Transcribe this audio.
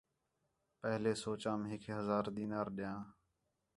پہلے سوچام ہِک ہزار دینار ݙیاں